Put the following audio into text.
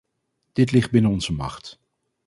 Dit ligt binnen onze macht.